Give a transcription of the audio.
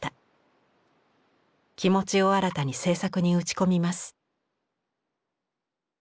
気持ちを新たに制作に打ち込みます。